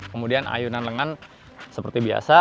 kemudian ayunan lengan seperti biasa